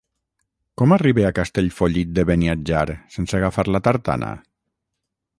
Com arribe a Castellfollit de Beniatjar sense agafar la tartana?